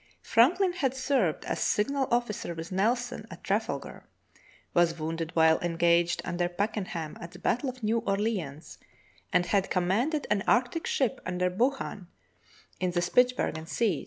Franklin had served as signal officer with Nelson at Trafalgar, was wounded while engaged under Packen ham at the battle of New Orleans, and had commanded an arctic ship under Buchan in the Spitzbergen seas.